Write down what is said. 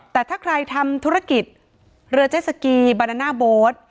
แต่ถ้าใครทำธุรกิจเรือเจสสกีบานาน่าโบ๊ท